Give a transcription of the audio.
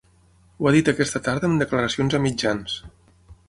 Ho ha dit aquesta tarda en declaracions a mitjans.